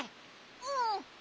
うん。